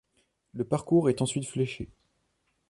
Le parcours est ensuite fléché.